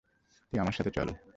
তুই আমার সাথে চল।